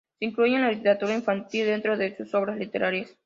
Se influye en la literatura infantil dentro de sus obras literarias.